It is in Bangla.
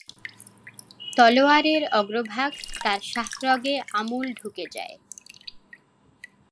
তলোয়ারের অগ্রভাগ তার শাহরগে আমূল ঢুকে যায়।